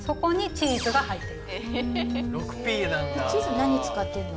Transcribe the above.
チーズ何使ってるの？